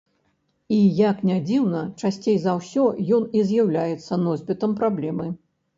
І, як не дзіўна, часцей за ўсё ён і з'яўляецца носьбітам праблемы.